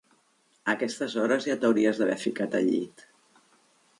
A aquestes hores ja t'hauries d'haver ficat al llit.